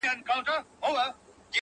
• هېره دي وعده د لطافت او د عطا نسي..